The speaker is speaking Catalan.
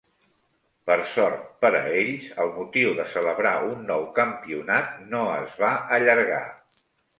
Per sort per a ells, el motiu de celebrar un nou campionat no es va allargar.